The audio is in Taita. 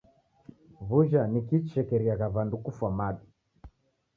W'uja ni kii chishekeriagha w'andu kufwa madu?